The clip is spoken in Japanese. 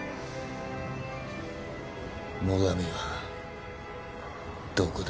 最上はどこだ？